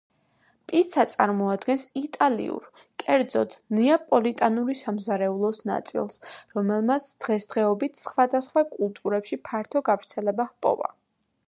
პიცა წარმოადგენს იტალიურ, კერძოდ, ნეაპოლიტანური სამზარეულოს ნაწილს, რომელმაც დღესდღეობით სხვადასხვა კულტურებში ფართო გავრცელება ჰპოვა.